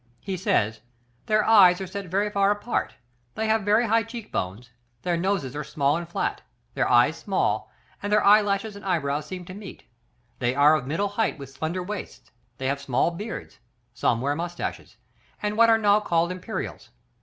He says, "Their eyes are set very far apart; they have very high cheek bones, their noses are small and flat; their eyes small, and their eye lashes and eyebrows seem to meet; they are of middle height with slender waists, they have small beards, some wear moustaches, and what are now called imperials.